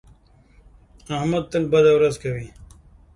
احمد تل بده ورځ کوي.